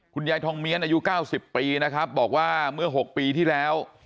คุณยายทองเมียนอายุ๙๐ปีนะครับบอกว่าเมื่อ๖ปีที่แล้ว